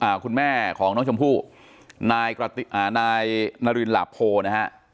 คุณแม่ของน้องชมพู่นายอ่านายนารินหลาโพนะฮะ